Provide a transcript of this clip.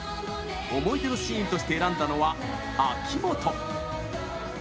思い出のシーンとして選んだのは秋元。